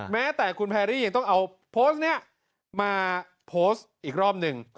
แม้แต่คุณแพรรี่ยังต้องเอาโพสต์นี้มาโพสต์อีกรอบหนึ่ง